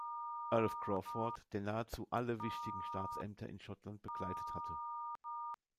Earl of Crawford, der nahezu alle wichtigen Staatsämter in Schottland bekleidet hatte.